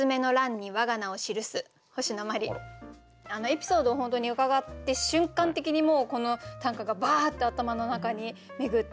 エピソードを本当に伺って瞬間的にもうこの短歌がバーッて頭の中に巡って。